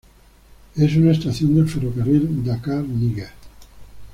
Es una estación del ferrocarril Dakar-Níger.